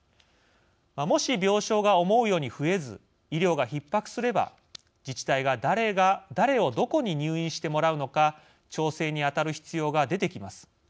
もし病床が思うように増えず医療がひっ迫すれば自治体が誰をどこに入院してもらうのか調整に当たる必要が出てきます。